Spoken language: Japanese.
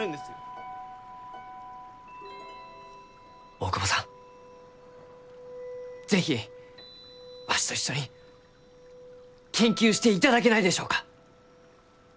大窪さん是非わしと一緒に研究していただけないでしょうか？